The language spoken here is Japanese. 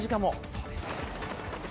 そうですね。